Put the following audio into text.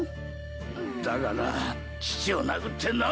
だがな父を殴って何になる！？